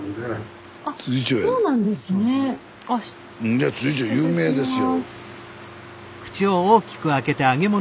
いや調有名ですよ。